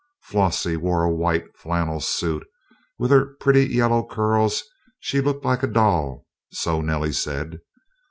Flossie wore a white flannel suit, and with her pretty yellow curls, she "looked like a doll," so Nellie said.